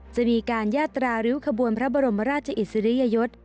จะมีการยาตราริ้วขบวนพระบรมราชอิสริยยศ